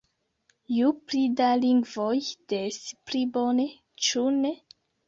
Ju pli da lingvoj, des pli bone, ĉu ne?